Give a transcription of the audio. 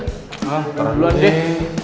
terang duluan deh